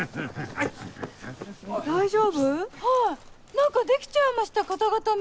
何かできちゃいました肩固め。